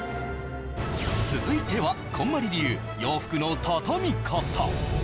続いてはこんまり流洋服のたたみ方